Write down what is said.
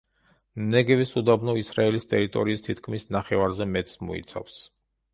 ნეგევის უდაბნო ისრაელის ტერიტორიის თითქმის ნახევარზე მეტს მოიცავს.